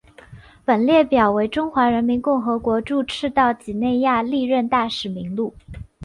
本列表为中华人民共和国驻赤道几内亚历任大使名录。